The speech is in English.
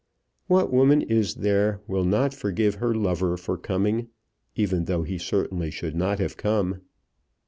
What woman is there will not forgive her lover for coming, even though he certainly should not have come?